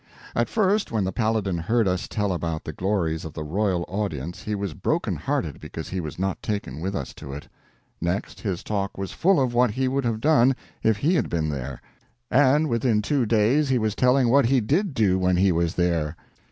At first when the Paladin heard us tell about the glories of the Royal Audience he was broken hearted because he was not taken with us to it; next, his talk was full of what he would have done if he had been there; and within two days he was telling what he did do when he was there.